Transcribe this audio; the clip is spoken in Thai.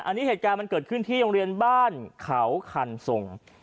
อันนี้เหตุการณ์มันเกิดขึ้นที่โรงเรียนบ้านเขาคันทรง